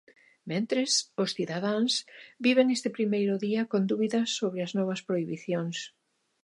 Mentres, os cidadáns viven este primeiro día con dúbidas sobre as novas prohibicións.